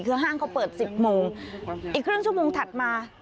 คือห้างเขาเปิดสิบโมงอีกครึ่งชั่วโมงถัดมา